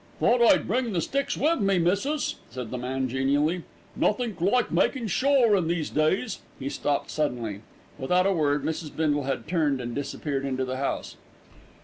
"Thought I'd bring the sticks wiv me, missis," said the man genially. "Nothink like makin' sure in these days." He stopped suddenly. Without a word, Mrs. Bindle had turned and disappeared into the house.